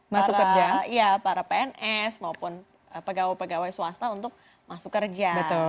masyarakat dan pns yang membuat kekuasaan untuk membuat kekuasaan untuk masyarakat